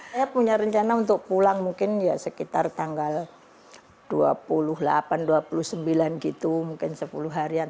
saya punya rencana untuk pulang mungkin ya sekitar tanggal dua puluh delapan dua puluh sembilan gitu mungkin sepuluh harian